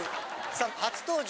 さあ初登場